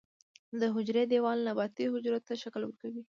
د حجرې دیوال نباتي حجرو ته شکل ورکوي